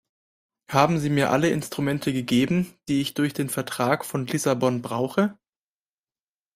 Haben Sie mir alle Instrumente gegeben, die ich durch den Vertrag von Lissabon brauche?